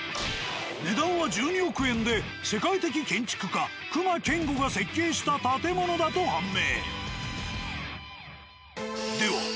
値段は１２億円で世界的建築家隈研吾が設計した建物だと判明。